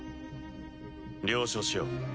了承しよう。